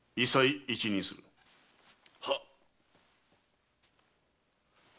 はっ。